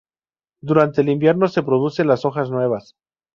Durante el invierno se producen las hojas nuevas.